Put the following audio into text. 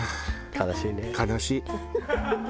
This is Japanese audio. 悲しい。